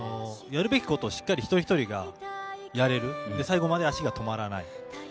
やるべきことをしっかり一人一人がやれる、最後まで足が止まらない。